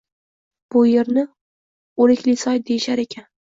Bu yerni Òriklisoy deyishar ekan